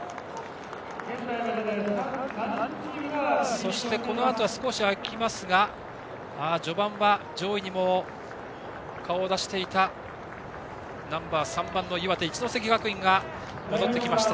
そして、このあとは少し開きますが序盤は上位にも顔を出していたナンバー３番の岩手・一関学院が戻ってきました。